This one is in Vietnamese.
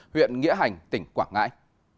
huyện nghĩa hành tỉnh quảng ngãi